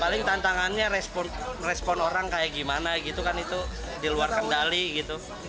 paling tantangannya respon orang kayak gimana gitu kan itu diluar kendali gitu